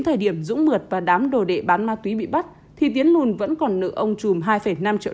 thời điểm dũng mượt và đám đồ đệ bán ma túy bị bắt thì tiến lùn vẫn còn nợ ông chùm hai năm triệu